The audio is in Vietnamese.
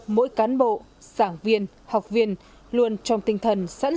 mỗi cán bộ sảng viên học viên luôn trong tinh thần sẵn sàng